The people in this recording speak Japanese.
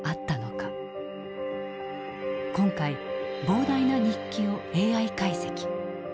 今回膨大な日記をＡＩ解析。